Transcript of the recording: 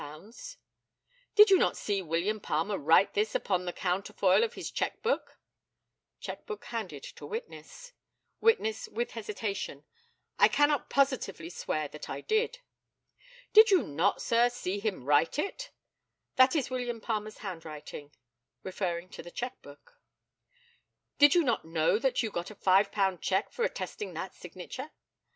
Did you not see William Palmer write this upon the counterfoil of his cheque book [cheque book handed to witness]? Witness, with hesitation: I cannot positively swear that I did. Did you not, sir, see him write it? That is William Palmer's handwriting [referring to the cheque book]. Did you not know that you got a five pound cheque for attesting that signature?